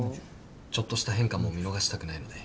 ちょっとした変化も見逃したくないので。